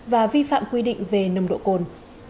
và vi phạm quy định về nầm độ cồn